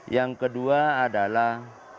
yang kedua adalah